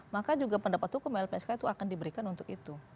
maka juga pendapat hukum lpsk itu akan diberikan untuk itu